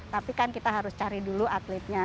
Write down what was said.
tapi kan kita harus cari dulu atletnya